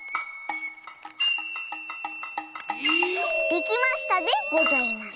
できましたでございます。